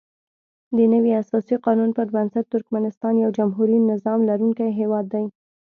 دنوي اساسي قانون پر بنسټ ترکمنستان یو جمهوري نظام لرونکی هیواد دی.